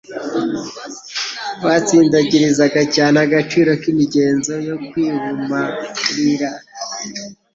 Batsindagirizaga cyane agaciro k'imigenzo yo kwihumariura.